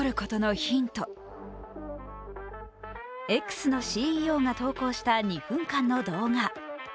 ＸのＣＥＯが投稿した２分間の動画。